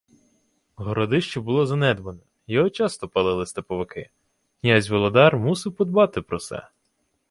Городище було занедбане, його часто палили степовики. Князь Володар мусив подбати про се.